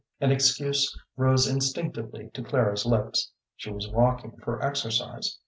An excuse rose instinctively to Clara's lips. She was walking for exercise.